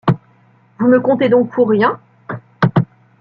Vous me comptez donc pour rien ?…